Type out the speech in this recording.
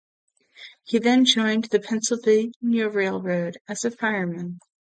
He then joined the Pennsylvania Railroad as a fireman.